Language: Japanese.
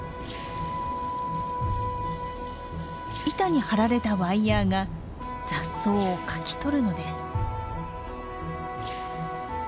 板に張られたワイヤーが雑草をかき取るのです。